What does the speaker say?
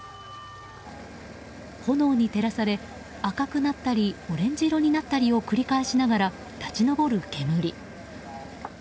炎に照らされ、赤くなったりオレンジ色になったりを繰り返しながら、立ち上る煙。